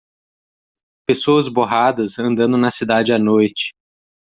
Pessoas borradas andando na cidade à noite.